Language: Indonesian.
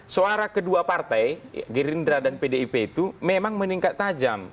suara kedua partai gerindra dan pdip itu memang meningkat tajam